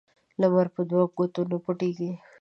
لمر په دوه ګوتو نه پټیږي